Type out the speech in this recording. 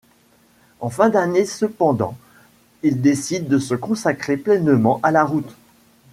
En fin d'année cependant, il décide de se consacrer pleinement à la route.